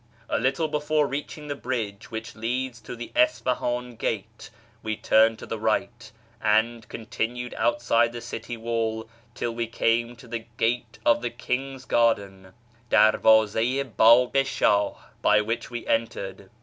A little before reaching the bridge which leads to the Isfahan gate, we turned to the right, and continued outside the city wall till we came to the " Gate of the King's Garden " {Dcrivdz6 i Bdg]i i Shdh), by which we entered.